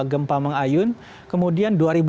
gempa mengayun kemudian